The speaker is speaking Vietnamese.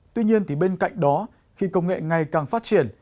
tuy nhiên bên cạnh đó khi công nghệ ngày càng phát triển